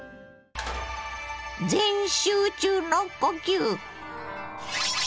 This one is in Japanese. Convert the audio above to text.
全集中の呼吸！